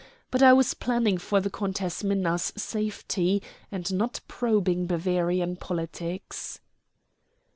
But I was planning for the Countess Minna's safety, and not probing Bavarian politics."